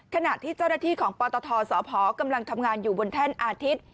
ขณะที่เจ้าหน้าที่ของปตทสพกำลังทำงานอยู่บนแท่นอาทิตย์